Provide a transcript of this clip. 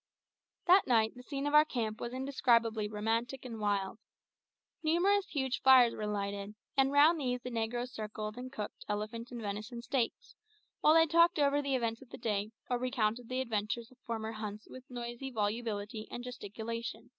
That night the scene of our camp was indescribably romantic and wild. Numerous huge fires were lighted, and round these the negroes circled and cooked elephant and venison steaks, while they talked over the events of the day or recounted the adventures of former hunts with noisy volubility and gesticulation.